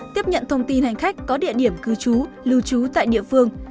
tiếp nhận thông tin hành khách có địa điểm cư trú lưu trú tại địa phương